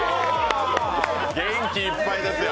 元気いっぱいですよ